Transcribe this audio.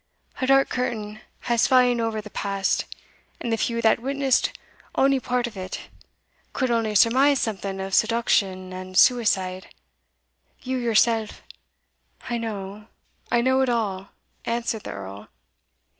A dark curtain has fa'en ower the past, and the few that witnessed ony part of it could only surmise something of seduction and suicide. You yourself" "I know I know it all," answered the Earl.